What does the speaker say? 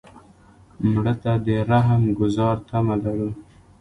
مړه ته د رحم ګذار تمه لرو